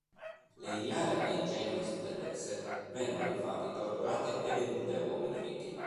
Le ignare e ingenue studentesse vengono infatti torturate e vendute a uomini ricchi.